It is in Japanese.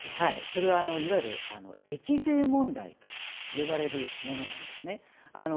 それはいわゆる益税問題と呼ばれるものなんですね。